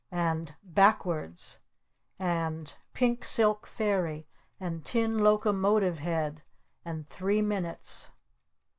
And "BACKWARDS." And "PINK SILK FAIRY." And "TIN LOCOMOTIVE HEAD." And "THREE MINUTES."